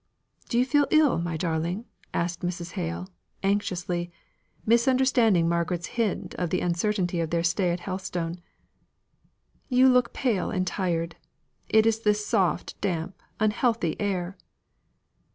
"Do you feel ill, my darling?" asks Mrs. Hale, anxiously, misunderstanding Margaret's hint of the uncertainty of their stay at Helstone. "You look pale and tired. It is this soft, damp, unhealthy air."